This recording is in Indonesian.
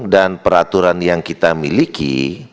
peraturan yang kita miliki